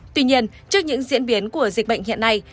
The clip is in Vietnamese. tuy nhiên trước những diễn biến của dịch bệnh hiện nay